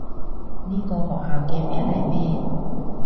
呢個學校嘅名係咩？